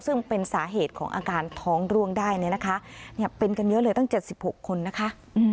ซึ่งเป็นสาเหตุของอาการท้องร่วงได้เนี่ยนะคะเป็นกันเยอะเลยตั้ง๗๖คนนะคะ